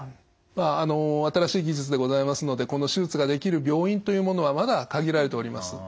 まあ新しい技術でございますのでこの手術ができる病院というものはまだ限られております。